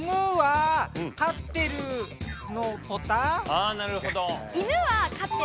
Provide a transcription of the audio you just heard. あなるほど。